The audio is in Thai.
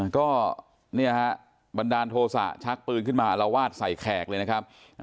ก็บันดาลโทษะชักปืนขึ้นมาอารวาสใส่แขกเลยนะครับ